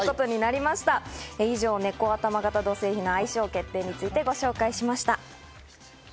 以上、ねこ頭形土製品の愛称決定をご紹介しました。